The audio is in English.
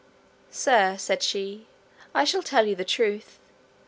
Sir, said she, I shall tell you the truth.